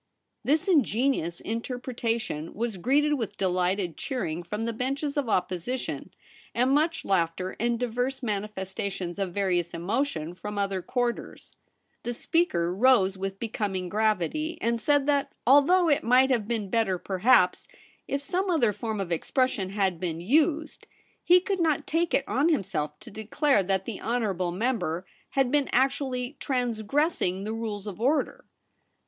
This ingenious interpretation was greeted with delighted cheering from the benches of Opposition, and much laughter and divers manifestations of various emotion from other quarters. The Speaker rose with becoming gravity, and said that although it might have been better perhaps if some other form of expres sion had been used, he could not take it on himself to declare that the honourable 200 THE REBEL ROSE. member had been actually transgressing the rules of order.